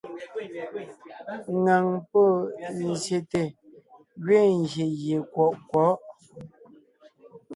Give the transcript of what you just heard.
Ŋaŋ pɔ́ zsyète gẅiin gyè gie kwɔʼ kwɔ̌'.